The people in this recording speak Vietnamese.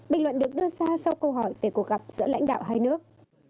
bình luận được đưa ra sau câu hỏi tại cuộc gặp giữa lãnh đạo hai nước